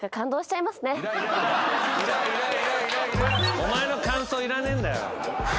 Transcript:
お前の感想いらねえんだよ。